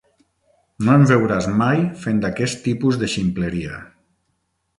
No em veuràs mai fent aquest tipus de ximpleria.